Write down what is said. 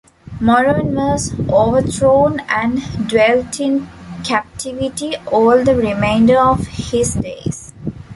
Moron was overthrown and "dwelt in captivity all the remainder of his days".